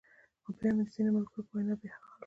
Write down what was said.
خو بيا مې د ځينې ملګرو پۀ وېنا بحال کړۀ -